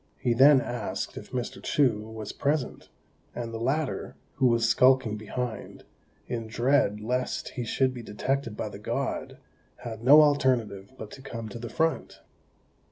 He then asked if Mr. Chou was present; and the latter, who was skulking behind, in dread lest he should be detected by the God, had no alternative but to come to the front.